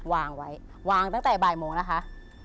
วางไว้วางตั้งแต่บ่ายโมงนะคะ